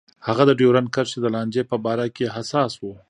هغه د ډیورنډ کرښې د لانجې په باره کې حساس و.